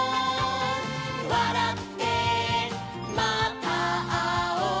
「わらってまたあおう」